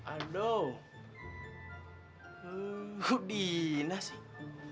aduh dina sih